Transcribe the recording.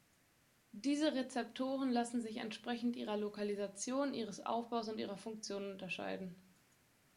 Diese Rezeptoren lassen sich entsprechend ihrer Lokalisation, ihres Aufbaus und ihrer Funktion unterscheiden.